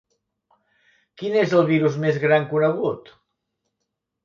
Quin és el virus més gran conegut?